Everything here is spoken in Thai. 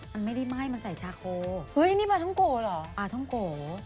มันไม่ได้ไหม้มันใส่ชาโคเฮ้ยนี่ปลาท้องโกเหรอปลาท้องโก